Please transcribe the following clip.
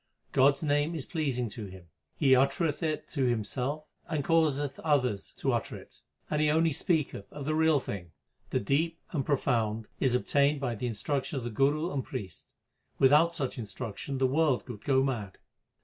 God s name is pleasing to him ; he uttereth it himself and causeth others to utter it ; and he only speaketh of the Real Thing. The Deep and Profound is obtained by the instruction of the Guru and priest ; without such instruction the world would go mad.